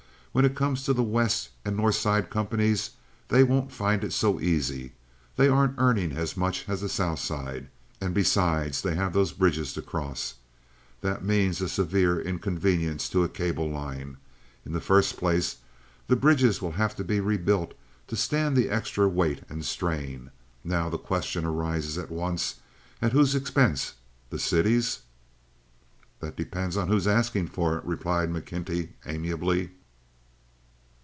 When it comes to the West and North Side companies they won't find it so easy. They aren't earning as much as the South Side, and besides they have those bridges to cross. That means a severe inconvenience to a cable line. In the first place, the bridges will have to be rebuilt to stand the extra weight and strain. Now the question arises at once—at whose expense? The city's?" "That depends on who's asking for it," replied Mr. McKenty, amiably.